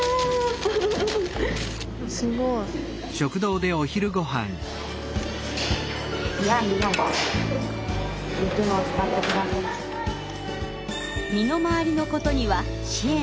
すごい。身の回りのことには支援が必要。